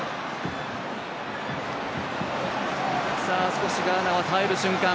少しガーナは耐える瞬間。